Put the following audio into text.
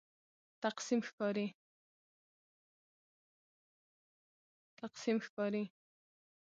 تقسیم ښکاري.